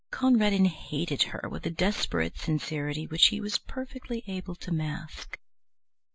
Conradin hated her with a desperate sincerity which he was perfectly able to mask.